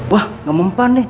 wah nggak mempan nih